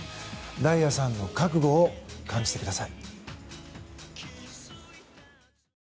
大也さんの覚悟を感じてください。